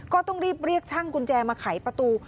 ก็ต้องรีบเรียกช่างกุญแจมาไขประตู